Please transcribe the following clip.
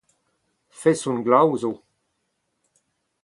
Feson glav zo.